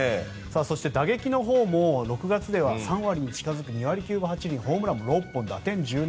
そして打撃のほうも６月では３割に近付く２割９分８厘ホームランも６本打点１７と。